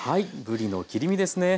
ぶりの切り身ですね。